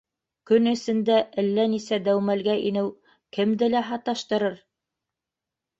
Көн эсендә әллә нисә дәүмәлгә инеү кемде лә һаташтырыр.